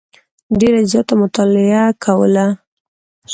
ډېره زیاته مطالعه کوله.